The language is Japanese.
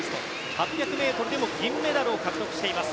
８００ｍでも銀メダルを獲得しています。